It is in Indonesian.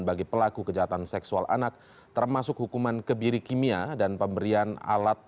bagi pelaku kejahatan seksual anak termasuk hukuman kebiri kimia dan pemberian alat